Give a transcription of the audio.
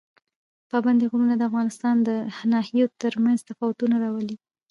پابندي غرونه د افغانستان د ناحیو ترمنځ تفاوتونه راولي.